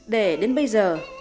để đến bây giờ